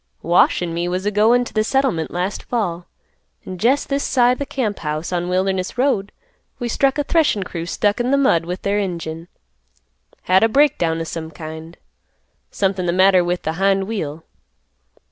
"Wash an' me was a goin' to th' settlement last fall, an' jest this side th' camp house, on Wilderness Road, we struck a threshin' crew stuck in th' mud with their engine. Had a break down o' some kind. Somethin' th' matter with th' hind wheel.